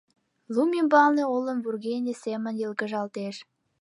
Лум ӱмбалне олым вӱргене семын йылгыжалтыш.